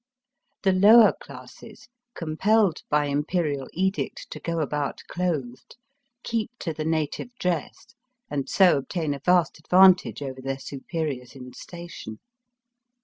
The lower classes, compelled by Imperial edict to go about clothed, keep to the native dress, and so obtain a vast advantage over their superiors in station.